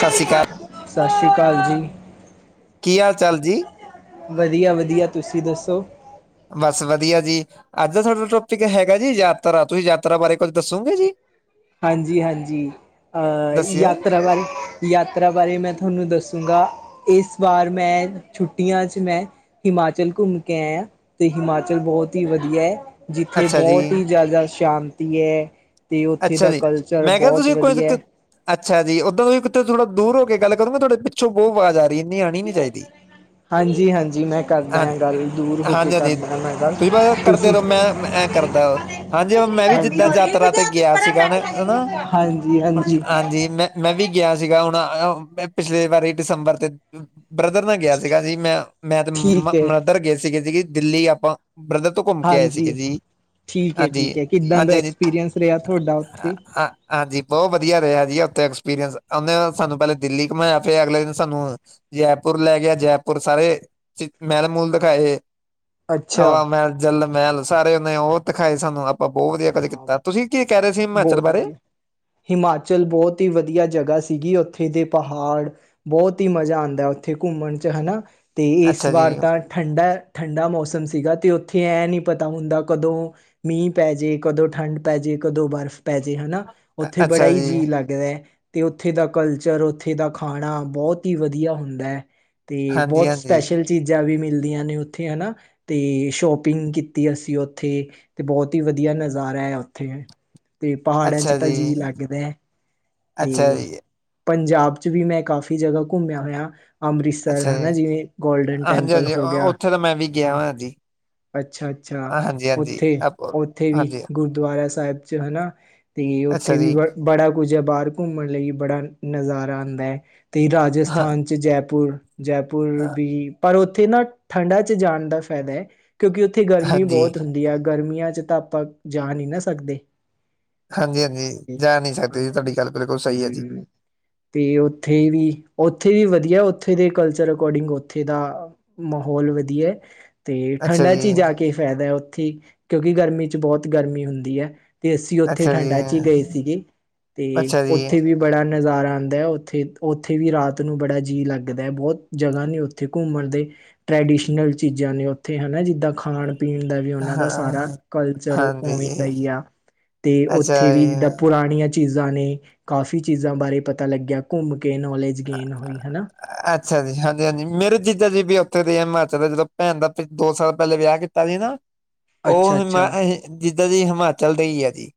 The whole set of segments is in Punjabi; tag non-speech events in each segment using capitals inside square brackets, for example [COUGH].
ਸਸ ਰੀ ਕਾਲ। ਸਸ ਰੀ ਕਾਲ ਜੀ। ਕੀ ਹਾਲ-ਚਾਲ ਜੀ? ਵਦੀਆ-ਵਦੀਆ, ਤੁਸੀਂ ਦੱਸੋ। ਬਸ ਵਧੀਆ ਜੀ, ਅੱਜ ਸਾਡਾ ਟੋਪਿਕ ਹੈਗਾ ਜੀ ਯਾਤਰਾ। ਤੁਸੀਂ ਯਾਤਰਾ ਬਾਰੇ ਕੁਝ ਦੱਸੋਗੇ ਜੀ? ਹਾਂਜੀ-ਹਾਂਜੀ, ਅਹ ਦੱਸਿਓ ਯਾਤਰਾ ਬਾਰੇ ਯਾਤਰਾ ਬਾਰੇ ਮੈਂ ਥੋਨੂੰ ਦੱਸੂੰਗਾ, ਏਸ ਵਾਰ ਮੈਂ ਛੁੱਟੀਆਂ ਚ ਮੈਂ ਹਿਮਾਚਲ ਘੁੰਮ ਕੇ ਆਇਆ, ਤੇ ਹਿਮਾਚਲ ਬਹੁਤ ਈ ਵਦੀਐ। ਜਿੱਥੇ ਅੱਛਾ ਜੀ ਬਹੁਤ ਈ ਜ਼ਿਆਦਾ ਸ਼ਾਂਤੀ ਐ, ਤੇ ਉਹ ਓਥੇ ਅੱਛਾ ਦਾ ਜੀ ਕਲਚਰ ਮੈਂ ਕਿਹਾ ਬਹੁਤ ਤੁਸੀਂ ਕੋਈ ਵਦੀਆ ਐ। ਕ- ਅੱਛਾ ਜੀ, ਉਦਾਂ ਵੀ ਕਿੱਥੋਂ ਥੋੜਾ ਦੂਰ ਹੋ ਕੇ ਗੱਲ ਕਰੋਂਗੇ ਤੁਹਾਡੇ ਪਿੱਛੋਂ ਬਹੁਤ ਵਾਜ਼ ਆ ਬਈ ਏਨੀ ਆਣੀ ਨੀ ਚਾਹੀਦੀ। ਹਾਂਜੀ-ਹਾਂਜੀ, ਮੈਂ ਕਰਦਾ ਹਾਂ ਆਂ ਗੱਲ ਦੂਰ ਹੋ ਕੇ ਕਰਦਾ ਆਂ ਮੈਂ ਗੱਲ, ਤੁਸੀਂ ਫੇਰ ਓਹ ਮੈਂ ਐਂ ਕਰਦਾ ਵਾ, ਹਾਂਜੀ ਮੈਂ ਵੀ ਹਾਂਜੀ ਜਿੱਦਾਂ ਯਾਤਰਾ ਤੇ ਗਿਆ ਅਸੀਂ ਕਹਿਨਾ ਅਨਾ, ਹਾਂਜੀ ਹੁਣ ਅ ਹਾਂਜੀ ਮੈਂ-ਮੈਂ ਵੀ ਗਿਆ ਸੀਗਾ ਹੁਣ, ਪਿਛਲੇ ਵਾਰੀ ਦਸੰਬਰ ਤੇ ਬ੍ਰਦਰ ਨਾਲ ਗਿਆ ਸੀਗਾ ਜੀ ਮੈਂ, ਮੈਂ ਤੇ ਠੀਕ ਮੰਮਾ ਹੈ ਬਰਦਰ ਗਏ ਸੀਗੇ ਸੀਗੇ ਦਿੱਲੀ ਆਪਾਂ, ਬ੍ਰਦਰ ਤੋਂ ਘੁੰਮ ਕੇ ਆਏ ਹਾਂਜੀ, ਸੀਗੇ ਜੀ ਠੀਕ ਹਾਂਜੀ ਐ-ਠੀਕ ਐ, ਕਿੱਦਾਂ ਦਾ ਹਾਂਜੀ ਹਾਂਜੀ ਐਕਸਪੀਰੀਅੰਸ ਰਿਹਾ ਥੋਡਾ ਓਥੇ। ਅ- ਅ- ਹਾਂਜੀ ਬਹੁ ਵਧੀਆ ਰਿਹਾ ਜੀ ਓਥੇ ਐਕਸਪੀਰੀਅੰਸ, ਓਹਨੇ ਸਾਨੂੰ ਪਹਿਲਾਂ ਦਿੱਲੀ ਘੁੰਮਾਇਆ ਫੇਰ ਅਗਲੇ ਦਿਨ ਸਾਨੂੰ ਜੈਪੁਰ ਲੈ ਗਿਆ ਜੈਪੁਰ ਸਾਰੇ, ਮੈਲ ਮੂਲ ਦਿਖਾਏ। ਅੱਛਾ ਹਵਾ ਮਹਿਲ, ਜਲ ਮਹਿਲ ਸਾਰੇ ਉਹਨੇ ਉਹ ਦਿਖਾਏ ਸਾਨੂੰ, ਆਪਾਂ ਬਹੁ ਵਦੀਆ ਕੁਝ ਕੀਤਾ ਤੁਸੀਂ ਕੀ ਕਹਿ ਰਹੇ ਸੀ ਹਿਮਾਚਲ ਬੋਤ ਬਾਰੇ ਵਦੀਆ। ਹਿਮਾਚਲ ਬੋਤ ਈ ਵਦੀਆ ਜਗ੍ਹਾ ਸੀਗੀ ਓਥੇ ਦੇ ਪਹਾੜ ਬੋਤ ਹੀ ਮਜ਼ਾ ਆਂਦਾ ਓਥੇ ਘੁੰਮਣ ਚ ਹਨਾ, ਤੇ ਏਸ ਅੱਛਾ ਜੀ ਵਾਰ ਤਾਂ ਠੰਡਾ-ਠੰਡਾ ਮੌਸਮ ਸੀਗਾ ਤੇ ਓਥੇ ਐਂ ਨਹੀਂ ਪਤਾ ਹੁੰਦਾ ਕਦੋਂ ਮੀਂਹ ਪੈ ਜੇ। ਕਦੋਂ ਠੰਢ ਪੈ ਜੇ ਕਦੋਂ ਬਰਫ਼ ਪੈ ਜੇ ਹਨਾ, ਅ- ਓਥੇ ਬੜਾ ਅੱਛਾ ਹੀ ਜੀ ਜੀਅ ਲੱਗ ਕਿਵੇਂ, ਤੇ ਓਥੇ ਦਾ ਕਲਚਰ ਓਥੇ ਦਾ ਖਾਣਾ ਬਹੁਤ ਹੀ ਵਧੀਆ ਹੁੰਦਾ। ਤੇ ਹਾਂਜੀ ਬਹੁਤ ਹਾਂਜੀ ਸਪੈਸ਼ਲ ਚੀਜ਼ਾਂ ਵੀ ਮਿਲਦੀਆਂ ਨੇ ਓਥੇ ਹਨਾ। ਤੇ ਸ਼ੋਪਿੰਗ ਕੀਤੀ ਅਸੀਂ ਓਥੇ, ਤੇ ਬਹੁਤ ਈ ਵਦੀਆ ਨਜ਼ਾ ਨਜ਼ਾਰਾ ਹੈ ਓਥੇ ਤੇ ਪਹਾੜਾਂ 'ਚ ਅੱਛਾ ਤਾਂ ਜੀ, ਜੀਅ ਲੱਗਦਾ ਤੇ ਅੱਛਾ ਜੀ, ਪੰਜਾਬ ਚ ਵੀ ਮੈਂ ਕਾਫ਼ੀ ਜਗ੍ਹਾ ਘੁੰਮਿਆ ਹੋਇਆ। ਅੰਮ੍ਰਿਤਸਰ ਅੱਛਾ ਹਨਾ ਜੀ। ਜਿਵੇਂ ਗੋਲਡਨ ਟੈਂਪਲ ਹਾਂਜੀ-ਹਾਂਜੀ ਹੋ ਗਿਆ, ਉੱਥੇ ਤਾਂ ਮੈਂ ਵੀ ਗਿਆ ਤਾਂ ਹੋਇਆ ਜੀ, ਅੱਛਾ-ਅੱਛਾ, ਹਾਂਜੀ-ਹਾਂਜੀ ਹਾਂਜੀ, ਆਪ ਓਥੇ-ਓਥੇ ਵੀ। ਹਾਂਜੀ ਗੁਰਦੁਆਰਾ ਸਾਹਿਬ ਚ ਹਨਾ, ਤੇ ਅੱਛਾ ਓਥੇ ਵੀ ਜੀ, ਬ ਬੜਾ ਕੁਝ ਏ ਬਾਹਰ ਘੁੰਮਣ ਲਈ ਬੜਾ ਨਜ਼ਾਰਾ ਆਂਦਾ, ਤੇ ਹਾਂ, ਰਾਜਸਥਾਨ ਚ ਜੈਪੁਰ, ਜੈਪੁਰ ਅ, ਵੀ ਪਰ ਓਥੇ ਨਾ ਠੰਡਾਂ ਚ ਜਾਣ ਦਾ ਫੈਦਾ, ਕਿਉਂਕਿ ਓਥ ਓਥੇ ਗਰਮੀ ਹਾਂਜੀ। ਬਹੁਤ ਹੁੰਦੀ ਆ, ਗਰਮੀਆਂ ਚ ਤਾਂ ਆਪਾਂ ਜਾ ਨੀ ਨਾ ਸਕਦੇ। ਹਾਂਜੀ-ਹਾਂਜੀ, ਜਾ ਨੀ ਸਕਦੇ ਜੀ ਹਾਂਜੀ ਤੁਹਾਡੀ ਗੱਲ ਬਿਲਕੁਲ ਸਹੀ ਐ ਜੀ। ਹੂੰ ਤੇ ਓਥੇ ਵੀ-ਓਥੇ ਵੀ ਵਦੀਆ ਉੱਥੇ ਦੇ ਕਲਚਰ ਅਕੋਡਿੰਗ ਓਥੇ ਦਾ ਮਹੌਲ ਵਦੀਐ। ਤੇ ਅੱਛਾ ਠੰਡਾਂ ਜੀ। ਚ ਹੀ ਜਾ ਕੇ ਫਾਇਦਾ ਓਥੇ, ਕਿਉਂਕਿ ਗਰਮੀ ਚ ਬਹੁਤ ਗਰਮੀ ਹੁੰਦਏ। ਤੇ ਅਸੀਂ ਓਥੇ ਅੱਛਾ ਜੀ, ਠੰਡਾਂ ਚ ਹੀ ਗਏ ਸੀਗੇ, ਤੇ ਅੱਛਾ ਜੀ, ਓਥੇ ਵੀ ਬੜਾ ਨਜ਼ਾਰਾ ਆਂਦਾ, ਓਥੇ-ਓਥੇ ਵੀ ਰਾਤ ਨੂੰ ਬੜਾ ਜੀਅ ਲੱਗਦਾ, ਬੌਤ ਜਗਾਂ ਨੇ ਓਥੇ ਘੁੰਮਣ ਦੇ। ਟਰੈਡੀਸ਼ਨਲ ਚੀਜ਼ਾਂ ਨੇ ਓਥੇ ਹਨਾ ਜਿੱਦਾਂ ਖਾਣ-ਪੀਣ ਦਾ ਵੀ ਉਹਨਾਂ ਦਾ ਹਾਂ, ਸਾਰਾ ਕਲਚਰ ਓਹ ਓਵੇਂ ਦਾ ਹਾਂਜੀ। ਹੀ ਆ, ਤੇ ਅੱਛਾ ਓਥੇ ਜੀ, ਵੀ ਜਿੱਦਾਂ ਪੁ ਪੁਰਾਣੀਆਂ ਚੀਜ਼ਾਂ ਨੇ ਕਾਫੀ ਚੀਜ਼ਾਂ ਬਾਰੇ ਪਤਾ ਲੱਗਿਆ ਘੁੰਮ ਕੇ ਨੌਲੇਜ ਗੇਨ ਹੋਈ, ਹਨਾ? ਅੱਛਾ ਜੀ, ਹਾਂਜੀ-ਹਾਂਜੀ ਮੇਰੇ ਜੀਜਾ ਹਾਂਜੀ। ਜੀ ਵੀ ਓਥੇ ਰਏ ਆ ਹਿਮਾਚਲ ਦਾ ਜਦੋਂ ਭੈਣ ਦਾ ਦੋ ਸਾਲ ਪਹਿਲੇ ਵਿਆਹ ਕੀਤਾ ਸੀ ਨਾ। ਅੱਛਾ ਉਹ ਹਿਮਾ ਅੱਛਾ ਜਿੱਦਾਂ ਦੀ ਹਿਮਾਚਲ ਦੇ ਹੀ ਹੈ ਜੀ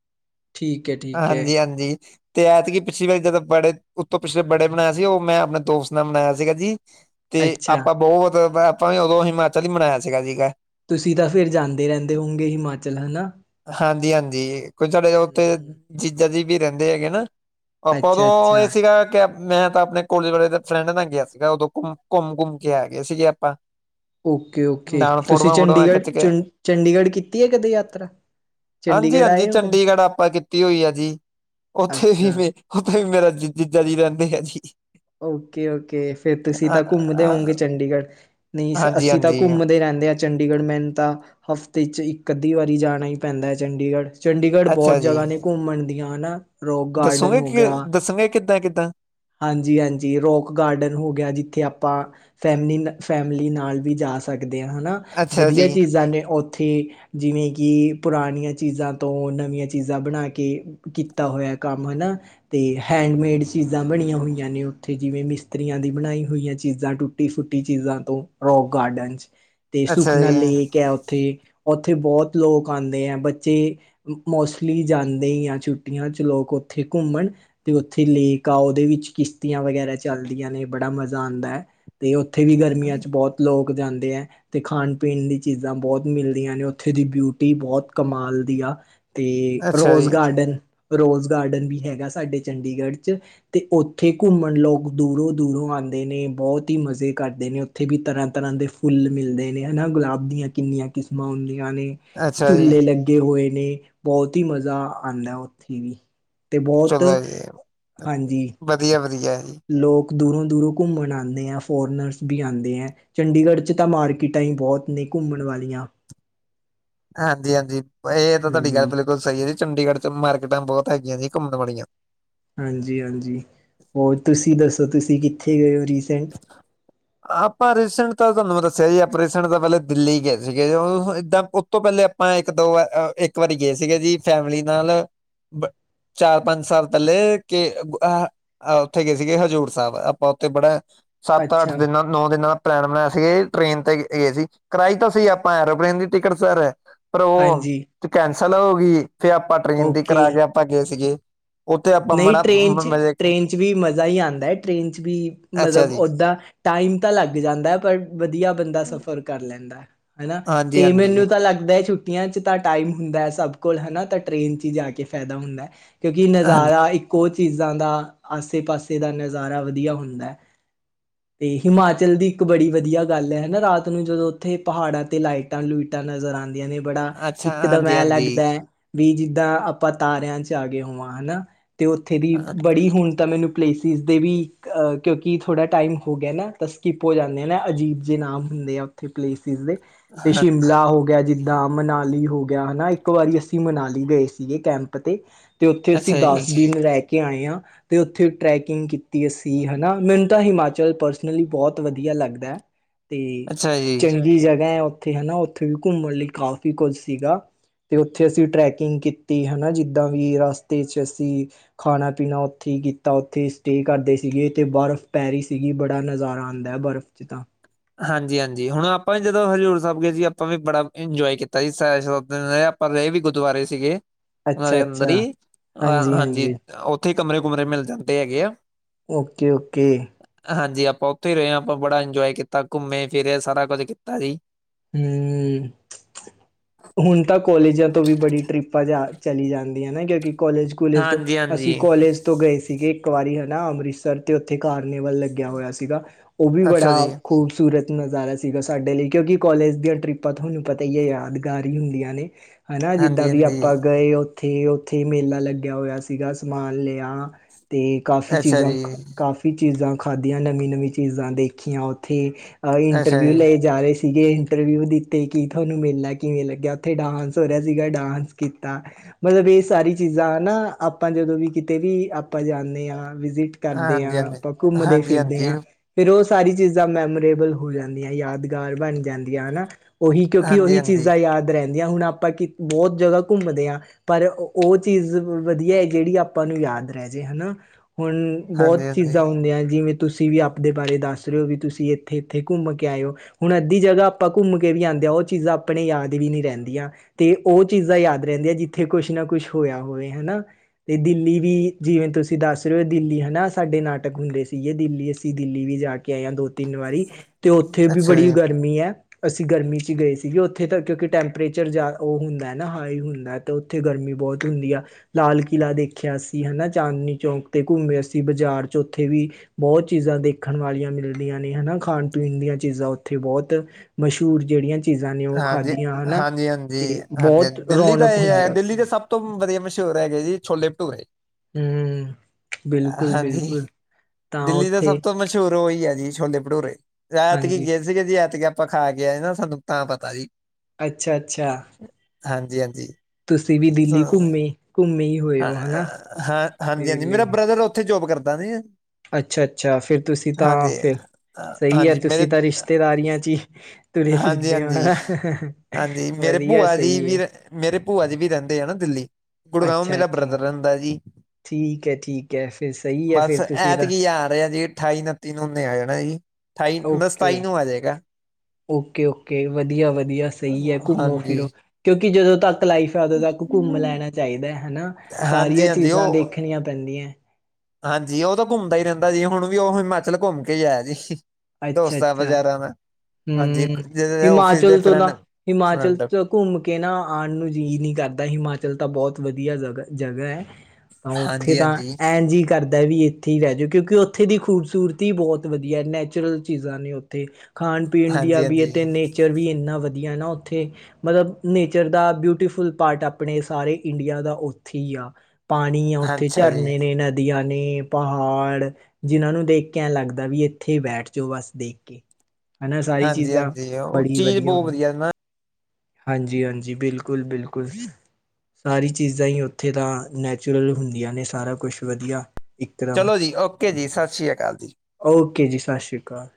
ਠੀਕ ਹੈ ਠੀਕ ਹੈ ਹਾਂਜੀ ਹਾਂਜੀ ਤੇ ਐਤਕੀ ਪਿਛਲੀ ਵਾਰੀ ਜਦ ਬੜੇ ਉਤੋਂ ਪਿਛਲੇ ਬੜੇ ਬਨਾਇਆ ਸੀ ਉਹ ਮੈਂ ਆਪਣੇ ਦੋਸਤ ਨਾਲ ਬਨਾਇਆ ਸੀਗਾ ਜੀ ਤੇ ਅੱਛਾ ਆਪਾਂ ਬੋਤ ਆਪਾਂ ਵੀ ਉਦੋ ਹਿਮਾਚਲ ਹੀ ਮਨਾਇਆ ਸੀਗਾ। ਤੁਸੀ ਤਾਂ ਫਿਰ ਜਾਂਦੇ ਰੈਂਦੇ ਹੋਗੇ ਹਿਮਾਚਲ ਹਨਾ- ਹਾਂਜੀ- ਹਾਂਜੀ ਕੋ ਸਾਡੇ ਉਥੇ ਹੂੰ। ਜੀਜਾ ਜੀ ਵੀ ਰੈਂਦੇ ਹੈਗੇ ਨਾ- ਆਪਾਂ ਉਦੋ ਅੱਛਾ ਇਹ ਅੱਛਾ ਸੀਗਾ ਕਿ- ਮੈ ਤਾਂ ਆਪਣੇ ਕੋਲੇਜ ਵਾਲੇ ਦੇ ਫਰੈਡ ਨਾਲ ਗਿਆ ਸੀਗਾ ਉਦੋ ਘੁੰਮ- ਘੁੰਮ- ਘੁੰਮ ਕੇ ਆ ਗਏ ਸੀਗੇ ਆਪਾਂ- ਓਕੇ- ਓਕੇ ਨਾਲ ਤੁਸੀ ਫੋਟੋਆਂ ਫੋਟੋਆਂ ਚੰਡੀਗੜ੍ਹ ਖਿੱਚ ਕੇ 'ਚ ਚੰਡੀਗੜ੍ਹ ਕੀਤੀ ਹੈ। ਕਦੇ ਯਾਤਰਾ ਹਾਂਜੀ ਚੰਡੀਗੜ੍ਹ ਹਾਂਜੀ ਆਏ ਹੋ ਕਦੇ ਚੰਡੀਗੜ੍ਹ ਆਪਾਂ ਕੀਤੀ ਹੋਈ ਆ ਜੀ ਉੱਥੇ ਵੀ ਅੱਛਾ ਮ ਉਥੇ ਵੀ ਮੇਰਾ ਜ ਜੀਜਾ ਜੀ ਰੈਂਦੇ ਆ ਜੀ ਓਕੇ ਓਕੇ ਫੇਿਰ ਤੁਸੀਂ ਹਾਂ- ਤਾਂ ਘੁੰਮਦੇ ਹੋਓਗੇ ਹਾਂ- ਚੰਡੀਗੜ੍ਹ ਨਹੀਂ ਹਾਂਜੀ ਅਸੀਂ ਤਾਂ ਹਾਂਜੀ ਘੁੰਮਦੇ ਰਹਿੰਦੇ ਹਾਂ ਚੰਡੀਗੜ੍ਹ ਮੈਨੂੰ ਤਾਂ ਹਫ਼ਤੇ ਚ ਇੱਕ ਅੱਧੀ ਵਾਰੀ ਜਾਣਾ ਹੀ ਪੈਂਦਾ ਹੈ ਚੰਡੀਗੜ੍ਹ ਚੰਡੀਗੜ੍ਹ ਅੱਛਾ ਬੋਤ ਜੀ ਜਗ੍ਹਾ ਨੇ ਘੁੰਮਣ ਦੀਆਂ ਹਨਾ ਦੱਸੋਗੇ ਕਿ ਦੱਸਾਂਗੇ ਕਿੱਦਾਂ ਕਿੱਦਾਂ ਹਾਂਜੀ ਹਾਂਜੀ ਰੋਕ ਗਾਰਡਨ ਹੋ ਗਿਆ ਜਿੱਥੇ ਆਪਾਂ ਫੈਮਲੀ ਫੈਮਲੀ ਨਾਲ ਵੀ ਜਾ ਸਕਦੇ ਆ ਹਨਾ ਅੱਛਾ ਜੀ ਵਧੀਆ ਚੀਜ਼ਾਂ ਨੇ ਉੱਥੇ ਜਿਵੇਂ ਕਿ ਪੁਰਾਣੀਆਂ ਚੀਜ਼ਾਂ ਤੋਂ ਨਵੀਆਂ ਚੀਜ਼ਾਂ ਬਣਾ ਕੇ ਕੀਤਾ ਹੋਇਆ ਕੰਮ ਹਨਾ ਤੇ ਹੈਂਡਮੇਡ ਚੀਜ਼ ਚੀਜ਼ਾਂ ਬਣੀਆਂ ਹੋਈਆਂ ਨੇ ਓਥੇ ਜਿਵੇਂ ਮਿਸਤਰੀਆਂ ਦੀ ਬਣਾਈ ਹੋਈਆਂ ਚੀਜ਼ਾਂ ਟੁੱਟੀ-ਫੁੱਟੀ ਚੀਜ਼ਾਂ ਤੋਂ। ਰੋਕ ਗਾਰਡਨ ਤੇ ਅੱਛਾ ਸੁਖਨਾ ਜੀ ਲੇਕ ਹੈ ਉੱਥੇ ਉਥੇ ਬੋਤ ਲੋਕ ਆਂਦੇ ਹੈ। ਬੱਚੇ- ਮੋਸਟਲੀ ਜਾਂਦੇ ਹੀ ਆ ਛੁੱਟੀਆਂ 'ਚ ਲੋਕ ਉਥੇ ਘੁੰਮਣ ਤੇ ਉਥੇ ਲੇਕ- ਗਾਂਵ ਵਿਚ ਕਿਸ਼ਤੀਆਂ ਵਗੈਰਾ ਚੱਲਦੀਆਂ ਨੇ ਬੜਾ ਮਜ਼ਾ ਆਂਦਾ ਹੈ। ਅਤੇ ਉਥੇ ਵੀ ਗਰਮੀਆਂ 'ਚ ਬਹੁਤ- ਲੋਕ ਜਾਂਦੇ ਹੈ। ਤੇ ਖਾਣ ਪੀਣ ਦੀ ਚੀਜਾ ਬਹੁਤ ਮਿਲਦੀਆਂ ਨੇ ਉਥੇ ਦੀ ਬਿਊਟੀ ਬਹੁਤ ਕਮਾਲ ਦੀ ਆ। ਤੇ ਅੱਛਾ ਰੋਜ਼ ਜੀ ਗਾਰਡਨ ਰੋਜ਼ ਗਾਰਡਨ ਵੀ ਹੈਗਾ ਸਾਡੇ ਚੰਡੀਗੜ੍ਹ 'ਚ- ਤੇ ਉੱਥੇ ਘੁੰਮਣ ਲੋਕ ਦੂਰੋ- ਦੂਰੋ ਆਂਦੇ ਨੇ ਬੋਤ ਹੀ ਮਜ਼ੇ ਕਰਦੇ ਨੇ- ਉਥੇ ਵੀ ਤਰ੍ਹਾਂ- ਤਰ੍ਹਾਂ ਦੇ ਫੁੱਲ ਮਿਲਦੇ ਨੇ ਹੈ। ਨਾ ਗੁਲਾਬ ਦੀਆ ਕਿਨੀਆਂ ਕਿਸਮਾਂ ਹੁੰਦੀਆਂ ਨੇ- ਅੱਛਾ ਜੀ ਝੁਲੇ ਲੱਗੇ ਹੋਏ ਨੇ ਬਹੁਤ ਹੀ ਮਜ਼ਾ ਆਂਦਾ ਉਥੇ ਵੀ। ਤੇ ਬੋਤ- ਚਲੋ ਜੀ ਵਧੀਆ- ਵਧੀਆ ਜੀ- ਲੋਕ ਦੂਰੋ- ਦੂਰੋ ਘੁੰਮਣ ਆਦੇਂ ਆ ਫੋਰਨਰਸ ਵੀ ਆਂਦੇ ਹੈ। ਚੰਡੀਗੜ੍ਹ 'ਚ ਤਾਂ ਮਾਰਕੀਟਾਂ ਹੀ ਬੋਤ ਨੇ ਘੁੰਮਣ ਵਾਲੀਆਂ। ਹਾਂਜੀ- ਹਾਂਜੀ ਇਹ ਤਾਂ ਤੁਹਾਡੀ ਗੱਲ ਹਮ ਬਿਲਕੁਲ ਸਹੀ ਹੈ। ਜੀ ਚੰਡੀਗੜ੍ਹ 'ਚ ਮਾਰਕੀਟਾਂ ਬਹੁਤ ਹੈਗੀਆਂ ਜੀ ਘੁੰਮਣ ਵਾਲੀਆਂ। ਹਾਂਜੀ- ਹਾਂਜੀ ਹੋਰ ਤੁਸੀ ਦੱਸੋ ਤੁਸੀ ਕਿਥੇ ਗਏ ਹੋ ਰੀਸੈਟ। [INAUDIBLE] ਆਪਾਂ ਰੀਸੈਂਟ ਤਾਂ ਤੁਹਾਨੂੰ ਦੱਸਿਆ ਜੀ ਆਪਾਂ ਰੀਸੈਂਟ ਤਾਂ ਪੈਲੇ ਦਿੱਲੀ ਗਏ ਸੀਗੇ ਇਦਾਂ- ਸਭ ਤੋਂ ਪੈਲੇ ਆਪਾ ਇਕ ਦੋ ਇਕ ਵਾਰੀ ਗਏ ਸੀਗੇ ਜੀ ਫੈਮਿਲੀ ਨਾਲ- ਚਾਰ ਪੰਜ ਸਾਲ ਪੈਲੇ ਕੇ ਉਥੇ ਗਏ ਸੀਗੇ ਹਜ਼ੂਰ ਸਾਬ ਆਪਾ ਉੱਥੇ ਬੜਾ- ਸੱਤ ਅੱਠ ਅੱਛਾ ਦਿਨਾਂ ਨੌ ਦਿਨਾਂ ਦਾ ਪਲੈਨ ਬਣਾਇਆ ਸੀਗੇ ਟ੍ਰੇਨ ਤੇ ਗਏ ਸੀ। ਕਰਾਈ ਤਾਂ ਸੀ ਆਪਾਂ ਐਰੋਪਲੇਨ ਦੀ ਟਿਕਟ ਸਰ ਪਰ ਉਹ ਹਾਂਜੀ ਕੈਂਸਲ ਹੋਗੀ। ਫਿਰ ਆਪਾਂ ਟ੍ਰਰੇਨ ਦੀ ਓਕੇ ਕਰਾ ਕੇ ਆਪਾਂ ਗਏ ਸੀਗੇ ਉਥੇ ਆਪਾਂ ਮਾੜਾ ਮ- ਵਿਚ ਵੀ ਮਜ਼ਾ ਹੀ ਆਦਾ ਟ੍ਰੇਨ 'ਚ ਵੀ ਅੱਛਾ ਮਤਲਬ ਜੀ ਦਾ- ਟਾਈਮ ਤਾਂ ਲੱਗ ਜਾਂਦਾ ਪਰ ਵਧੀਆ। ਬੰਦਾ ਸਫ਼ਰ ਕਰ ਲੈਦਾ ਹਨਾ ਹਾਂਜੀ ਤੇ ਹਾਂਜੀ ਮੈਨੂੰ ਤਾਂ ਲੱਗਦਾ ਛੁੱ ਛੁਟੀਆਂ 'ਚ ਤਾਂ ਟਾਈਮ ਹੁੰਦਾ ਹੈ। ਸਭ ਕੋਲ ਹਨਾ ਤਾਂ ਟ੍ਰੇਨ 'ਚ ਹੀ ਜਾ ਕੇ ਫੈਦਾ ਹੁੰਦਾ ਹੈ। ਕਿਉਕਿ ਹਾਂਜੀ ਜਿਆਦਾ ਇੱਕੋ ਚੀਜਾ ਦਾ ਆਸੇ ਪਾਸੇ ਦਾ ਨਜਾਰਾ ਵਧੀਆ ਹੁੰਦਾ ਹੈ। ਹ [INAUDIBLE] ਤੇ ਹਿਮਾਚਲ ਦੀ ਇਕ ਬੜੀ ਵਧੀਆ ਗੱਲ ਹੈ। ਹਨਾ ਰਾਤ ਨੂੰ ਜਦੋ ਉਥੇ ਪਹਾੜਾਂ ਤੇ ਲਾਈਟਾਂ ਲੁਇਟਾਂ ਨਜ਼ਰ ਆਂਦੀਆਂ ਨੇ- ਬੜਾ ਅੱਛਾ ਇੱਕ ਦਮ ਐ ਹਾਂਜੀ-ਹਾਂਜੀ ਲੱਗਦੈ। ਵੀ ਜਿੱਦਾਂ ਆਪਾਂ ਤਾਰਿਆਂ 'ਚ ਆਗੇ ਹੋਵਾਂ ਹਨਾ ਤੇ ਉੱਥੇ ਦੀ ਬੜੀ ਹੁਣ ਤਾਂ ਮੈਨੂੰ ਪਲੇਸਿਸ ਦੇ ਵੀ ਆ, ਕਿਉਂਕੀ ਥੋੜ੍ਹਾ ਟਾਈਮ ਹੋ ਗਿਆ ਨਾ ਤਾਂ ਸਕਿੱਪ ਹੋ ਜਾਂਨੇ ਆ ਨਾ ਅਜੀਬ ਜੇ ਨਾਮ ਹੁੰਦੇ ਆ। ਓਥੇ ਪਲੇਸਿਸ ਨੇ ਤੇ ਸ਼ਿ ਸ਼ਿਮਲਾ ਹੋ ਗਿਆ, ਜਿੱਦਾਂ ਮਨਾਲੀ ਹੋ ਗਿਆ ਹਨਾ ਇੱਕ ਵਾਰੀ ਅਸੀਂ ਮਨਾਲੀ ਗਏ ਸੀਗੇ ਕੈਂਪ ਤੇ ਤੇ ਓਥੇ ਅਸੀਂ ਅੱਛਾ ਜੀ, ਦਸ ਦਿਨ ਰੈ ਕੇ ਆਏ ਆ। ਤੇ ਓਥੇ ਟ੍ਰੈਕਿੰਗ ਕੀਤੀ ਅਸੀਂ ਹਨਾ, ਮੈਨੂੰ ਤਾਂ ਹਿਮਾਚਲ ਪਰਸਨਲੀ ਬਹੁਤ ਵਧੀਆ ਲੱਗਦੈ। ਤੇ ਅੱਛਾ ਜੀ। ਚੰਗੀ ਜਗ੍ਹਾ ਐ ਓਥੇ ਹਨਾ, ਓਥੇ ਵੀ ਘੁੰਮਣ ਲਈ ਕਾਫ਼ੀ ਕੁੱਝ ਸੀਗਾ। ਤੇ ਉਥੇ ਅਸੀ ਟਰੈਕਿੰਗ ਕੀਤੀ ਹਨਾ, ਜਿੱਦਾਂ ਵੀ ਰਸਤੇ ਚ ਅਸੀ- ਖਾਣਾ ਪੀਣਾ ਉਥੇ ਕੀਤਾ ਉਥੇ ਸਟੇ ਕਰਦੇ ਸੀਗੇ, ਤੇ ਬਰਫ਼ ਪੈ ਰਹੀ ਸੀਗੀ ਬੜਾ ਨਜ਼ਾਰਾ ਆਉਦਾ ਹੈ। ਬਰਫ਼ ਚੇਤਾਂ [UNINTELLIGIBLE] ਹਾਂਜੀ- ਹਾਂਜੀ, ਹੁਣ ਆਪਾਂ ਵੀ ਜਦੋਂ ਹਜ਼ੂਰ ਸਾਹਿਬ ਗਏ ਸੀ ਆਪਾਂ ਵੀ ਬੜਾ ਇੰਜੋਏ ਕੀਤਾ ਜੀ ਸ- ਪਰ ਰਹੇ ਵੀ ਗੁਰਦੁਆਰੇ ਸੀਗੇ। ਉਹਨਾਂ ਅੱਛਾ ਦੇ ਅੰਦਰ ਅੱਛਾ ਹੀ, ਅ ਹਾਂਜੀ ਉਥੇ ਕਮਰੇ ਕੁਮਰੇ ਮਿਲ ਜਾਂਦੇ ਹੈਗੇ ਆ। ਓਕੇ -ਓਕੇ- ਹਾਂਜੀ ਆਪਾਂ ਉਥੇ ਹੀ ਰਹੇ ਹਾਂ ਆਪਾਂ ਬੜਾ ਇੰਜੋਏ ਕੀਤਾ ਘੁੰਮੇ ਫਿਰੇ ਸਾਰਾ ਕੁਝ ਕੀਤਾ ਜੀ। ਹਮ [UNINTELLIGIBLE] ਹੁਣ ਤਾਂ ਕੋਲਜਾਂ ਤੋ ਵੀ ਬੜੀ ਟ੍ਰਿਪਾਂ ਜਾ ਚਲੀ ਜਾਂਦੀਆਂ ਨਾ ਕਿਉਕਿ- ਕੋਲਜ ਕਲੇਜ ਤੋਂ ਅਸੀ ਹਾਂਜੀ-ਹਾਂਜੀ ਕੋਲਜ ਤੋ ਗਏ ਸੀਗੇ ਇਕ ਵਾਰੀ, ਹਨਾ ਅੰਮ੍ਰਿਤਸਰ- ਤੇ ਉਥੇ ਕਾਰਨੀੇਵਲ ਲੱਗਿਆ ਹੋਇਆ ਸੀਗਾ, ਉਹ ਵੀ ਅੱਛਾ ਬੜਾ ਜੀ ਖੂਬਸੂਰਤ ਨਜਾਰਾ ਸੀਗਾ ਸਾਡੇ ਲਈ, ਕਿਉਕਿ ਕੋਲੇਜ ਦੀਆ ਟ੍ਰਿਪਾਂ ਤੁਹਾਨੂੰ ਪਤਾ ਹੀ ਹੈ। ਯਾਦਗਾਰ ਹੀ ਹੁੰਦੀਆਂ ਨੇ- ਹਨਾ ਜਿੱਦਾਂ ਵੀ ਹਾਂਜੀ-ਹਾਂਜੀ ਆਪਾਂ ਗਏ। ਉਥੇ- ਉਥੇ ਮੇਲਾ ਲੱਗਿਆ ਹੋਇਆ ਸੀਗਾ ਸਮਾਨ ਲਿਆ ਤੇ- ਕਾਫ਼ੀ ਅੱਛਾ ਚੀਜ਼ਾਂ, ਜੀ, ਕਾਫ਼ੀ ਚੀਜ਼ਾਂ ਖਾਧੀਆਂ ਨਵੀਂ-ਨਵੀਂ ਚੀਜ਼ਾਂ ਦੇਖੀਆਂ ਓਥੇ। [UNINTELLIGIBLE] ਅੱਛਾ ਇੰਟਰਵਿਊ ਜੀ ਲਈ ਜਾ ਰੇ ਸੀਗੇ ਇੰਟਰਵਿਊ ਦਿੱਤੇ ਕੀ ਥੋਂਨੂੰ ਮੇਲਾ ਕਿਵੇਂ ਲੱਗਿਆ, ਉੱਥੇ ਡਾਂਸ ਹੋ ਰਿਆ ਸੀਗਾ ਡਾਂਸ ਕੀਤਾ। ਮਤਲਬ ਏ ਸਾਰੀ ਚੀਜ਼ਾਂ ਨਾ, ਆਪਾਂ ਜਦੋਂ ਵੀ ਕਿਤੇ ਵੀ ਆਪਾਂ ਜਾਂਦੇ ਆ ਵਿਜਿਟ ਕਰਦੇ ਆ ਹਾਂਜੀ-ਹਾਂਜੀ। ਆਪਾਂ ਘੁੰਮਦੇ ਫਿਰਦੇ ਹਾਂਜੀ-ਹਾਂਜੀ, ਆ। ਫੇਰ ਓ ਸਾਰੀ ਚੀਜ਼ਾਂ ਮੈਮੋਰੇਬਲ ਹੋ ਜਾਂਦੀਆਂ, ਯਾਦਗਾਰ ਬਣ ਜਾਂਦੀਆਂ ਦੀਆ ਹਨਾ ਓਹੀ ਕਿਉਂਕੀ ਓਹੀ ਹਾਂਜੀ-ਹਾਂਜੀ, ਚੀਜ਼ਾਂ ਯਾਦ ਰੈਂਦੀਆਂ ਹੁਣ ਆਪਾਂ ਕੀ ਬੋ ਜਗ੍ਹਾ ਘੁੰਮਦੇ ਆ। ਪਰ ਓ ਚੀਜ਼ ਵਧੀਆ ਐ ਜੇੜੀ ਆਪਾਂ ਨੂੰ ਯਾਦ ਰੇ ਜੇ ਹਨਾ ਹੁਣ ਬੋਤ ਚੀਜ਼ਾਂ ਹਾਂਜੀ-ਹਾਂਜੀ ਹੁੰਦੀਆਂ ਜਿਵੇਂ ਤੁਸੀਂ ਵੀ ਆਪਦੇ ਬਾਰੇ ਦੱਸ ਰੇ ਓ, ਵੀ ਤੁਸੀਂ ਏਥੇ ਏਥੇ ਘੁੰਮ ਕੇ ਆਇਓ। ਹੁਣ ਅੱਧੀ ਜਗ੍ਹਾ ਆਪਾਂ ਘੁੰਮ ਕੇ ਵੀ ਆਂਦੇ ਆ ਓ ਚੀਜ਼ਾਂ ਆਪਣੇ ਯਾਦ ਵੀ ਨਹੀਂ ਰੈਂਦੀਆਂ। ਤੇ ਓ ਚੀਜ਼ਾਂ ਯਾਦ ਰੈਂਦੀਆਂ ਜਿੱਥੇ ਕੁੱਛ ਨਾ ਕੁੱਛ ਹੋਇਆ ਹੋਵੇ, ਹਨਾ ਤੇ ਦਿੱਲੀ ਵੀ, ਜਿਵੇਂ ਤੁਸੀਂ ਦੱਸ ਰੇ ਓ ਦਿੱਲੀ ਹਨਾ ਸਾਡੇ ਨਾਟਕ ਹੁੰਦੇ ਸੀਗੇ ਦਿੱਲੀ ਅਸੀਂ ਦਿੱਲੀ ਵੀ ਜਾ ਕੇ ਆਏ ਆ ਦੋ ਤਿੰਨ ਵਾਰੀ, ਤੇ ਓਥੇ ਵੀ ਅੱਛਾ ਬੜੀ ਜੀ। ਗਰਮੀ ਐ। ਅਸੀਂ ਗਰਮੀ ਚ ਗਏ ਸੀਗੇ ਓਥੇ ਤਾਂ ਕਿਉਂਕੀ ਟੈਂਪਰੇਚਰ ਜਾ ਓ ਹੁੰਦੈ ਨਾ ਹਾਈ ਹੁੰਦੈ। ਤਾਂ ਓਥੇ ਗਰਮੀ ਬੋਤ ਹੁੰਦੀ ਆ। ਲਾਲ ਕਿਲ੍ਹਾ ਦੇਖਿਆ ਅਸੀ ਹਨਾ, ਚਾਂਦਨੀ ਚੌਂਕ ਤੇ ਘੁੰਮਿਆ ਅਸੀ ਬਾਜ਼ਾਰ ਚ' ਓਥੇ ਵੀ ਬਹੁਤ ਚੀਜ਼ਾਂ ਦੇਖਣ ਵਾਲੀਆਂ ਮਿਲਦੀਆਂ ਨੇ ਹਨਾ, ਖਾਣ ਪੀਣ ਦੀਆਂ ਚੀਜ਼ਾਂ ਓ ੳਥੇ ਬੋਤ ਮਸ਼ੂਰ ਜੇੜੀਆ ਚੀਜ਼ਾਂ ਨੇ ਓ ਹਾਂਜੀ, ਖਾਦੀਆਂ ਹਨਾ, ਹਾਂਜੀ, ਹਾਂਜੀ, ਤੇ ਹਾਂਜੀ, ਬੋਤ ਹਾਂਜੀ ਦਿੱਲੀ ਦਾ ਰੌਣਕ ਇਹ ਹੈ ਹੁੰਦਾ ਦਿੱਲੀ ਉੱਥੇ। ਦੇ ਸਭ ਤੋਂ ਵਧੀਆ ਮਸ਼ਹੂਰ ਹੈਗੇ ਜੀ ਛੋਲੇ ਭਟੂਰੇ ਹੂੰ, ਹਾਂਜੀ ਬਿਲਕੁਲ-ਬਿਲਕੁਲ ਤਾਂ ਦਿੱਲੀ ਦੇ ਉੱਥੇ ਸਭ ਤੋਂ ਮ ਮਸ਼ੂਰ ਓਈ ਐ ਜੀ ਛੋਲੇ ਭਟੂਰੇ, ਐਤਕੀ ਹਾਂਜੀ, ਗਏ ਸੀਗੇ ਜੀ ਐਤਕ ਆਪਾਂ ਖਾ ਕੇਏ ਨਾ ਸਾਨੂੰ ਤਾਂ ਪਤਾ ਜੀ। ਅੱਛਾ-ਅੱਛਾ, ਹਾਂਜੀ, ਹਾਂਜੀ। ਤੁਸੀਂ ਵੀ ਦਿੱਲੀ ਘੁੰਮੇ-ਘੁੰਮੇ ਅ ਹਾਂ ਹਾਂਜੀ-ਹਾਂਜੀ, ਮੇਰਾ ਬ੍ਰਦਰ ਓਥੇ ਜੋਬ ਕਰਦਾ ਨੀ। ਅੱਛਾ ਅੱਛਾ ਫਿਰ ਤੁਸੀਂ ਤਾਂ ਫਿਰ ਅ, ਸਹੀ ਐ, ਯਾਰ ਹਾਂਜੀ ਤੁਸੀਂ ਤਾਂ ਰਿਸ਼ਤੇਦਾਰੀਆਂ ਚ' ਹੀ ਤੁਰੇ ਫਿਰਦੇ ਹੋ ਹਾਂਜੀ-ਹਾਂਜੀ, ਹਨਾ ਹਾਂਜੀ ਮੇਰੇ ਵਧੀਆ ਭੂਆ ਦੀ ਸਹੀ ਵੀ ਹੈ ਮੇਰੇ ਭੂਆ ਜੀ ਵੀ ਰੈਂਦੇ ਆ ਨਾ ਦਿੱਲੀ। ਗੁੜਗਾਓ ਮੇਰਾ ਅੱਛਾ-ਅੱਛਾ ਬ੍ਰਦਰ ਰੈਂਦਾ ਜੀ। ਠੀਕ ਹੈ ਠੀਕ ਹੈ ਫਿਰ ਸਹੀ ਹੈ ਬਸ ਫਿਰ ਤੁਸੀਂ ਤਾਂ ਐਤਕੀ ਆ ਰਿਹਾ ਜੀ, ਅਠਾਈ ਉੱਨਤੀ ਨੂੰ ਨੇ ਆ ਜਾਣਾ ਜੀ। ਠਾਈ, ਬਸ ਸਤਾਈ ਨੂੰ ਆਜੇਗਾ। ਓਕੇ-ਓਕੇ, ਵਧੀਆ- ਵਧੀਆ। ਸਹੀ ਐ ਹਾਂਜੀ ਘੁੰਮੋ-ਫਿਰੋ। ਕਿਉਂਕਿ ਜਦੋਂ ਤੱਕ ਲਾਈਫ ਐ, ਉਦੋਂ ਤੱਕ ਘੁੰਮ ਲੈਣਾ ਚਾਈਦਾ ਐ, ਹੈਨਾ। ਹਾਂਜੀ ਸਾਰੀਆਂ ਹਾਂਜੀ ਚੀਜ਼ਾਂ ਉਹ ਦੇਖਣੀਆਂ ਪੈਂਦੀਆਂ। ਹਾਂਜੀ, ਉਹ ਤਾਂ ਘੁੰਮਦਾ ਈ ਰਹਿੰਦਾ ਜੀ, ਹੁਣ ਵੀ ਉਹ ਹਿਮਾਚਲ ਘੁੰਮ ਕੇ ਈ ਆਇਆ ਜੀ। ਡੋਸਾ ਬਜ਼ਾਰ ਮੈਂ। [UNINTELLIGIBLE] ਹੂੰ, ਹਿਮਾਚਲ ਤੋਂ ਨਾ ਫਰੈਂਡ ਹਿਮਚਲ ਫਰੈਂਡ ਚ ਘੁੰਮ ਕੇ ਨਾ ਆਣ ਨੂੰ ਜੀਅ ਨੀ ਕਰਦਾ ਹਿਮਾਚਲ ਤਾਂ ਬੋਤ ਵਧੀਆ ਜਗ ਜਗ੍ਹਾ ਐ। ਅ ਓਥੇ ਹਾਂਜੀ ਤਾਂ ਹਾਂਜੀ ਐਨ ਜੀ ਕਰਦੈ ਵੀ ਏਥੇ ਈ ਰੈ ਜੋ ਕਿਉਂਕੀ ਓਥੇ ਦੀ ਖੂਬਸੂਰਤੀ ਬੋਤ ਵਧੀਐ ਨੈਚੁਰਲ ਚੀਜ਼ਾਂ ਨੇ ਓਥੇ। ਖਾਣ, ਪੀਣ ਦੀਆਂ ਹਾਂਜੀ ਵੀ ਏ ਹਾਂਜੀ ਤੇ ਨੇਚਰ ਵੀ ਇੰਨਾ ਵਧੀਆ ਨਾ ਓਥੇ। ਮਤਲਬ ਨੇਚਰ ਦਾ ਬਿਊਟੀਫੁੱਲ ਪਾਰਟ ਆਪਣੇ ਸਾਰੇ ਇੰਡੀਆ ਦਾ ਓਥੇ ਈ ਆ। ਪਾਣੀ ਆ, ਓਥੇ ਅੱਛਾ ਜੀ ਝਰਨੇ ਨੇ ਨ ਦੀਆਂ ਨੇ, ਪਹਾੜ ਜਿਨਾਂ ਨੂੰ ਦੇਖ ਕੇ ਐ ਲੱਗਦਾ ਵੀ ਏਥੇ ਈ ਬੈਠ ਜੋ ਬਸ ਦੇਖ ਕੇ। ਹਨਾ ਸਾਰੀ ਹਾਂਜੀ ਚੀਜ਼ਾਂ ਹਾਂਜੀ ਉਹ ਬੜੀ ਚੀਜ਼ ਵਧੀਆ ਬਹੁਤ ਹੁੰਦ [UNINTELLIGIBLE] ਨਾ ਹਾਂਜੀ-ਹਾਂਜੀ, ਬਿਲਕੁੱਲ-ਬਿਲਕੁੱਲ। ਸਾਰੀ ਚੀਜ਼ਾਂ ਈ ਓਥੇ ਤਾਂ ਨੈਚੁਰਲ ਹੁੰਦੀਆਂ ਨੇ ਸਾਰਾ ਕੁੱਛ ਵਧੀਆ। ਇਕਦਮ ਚਲੋ ਜੀ, ਓਕੇ ਜੀ ਸਸ ਸ਼੍ਰੀ ਕਾਲ ਜੀ। ਓਕੇ ਜੀ, ਸਤਿ ਸ੍ਰੀ ਅਕਾਲ।